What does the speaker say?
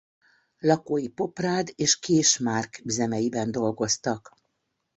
Lakói Poprád és Késmárk üzemeiben dolgoztak.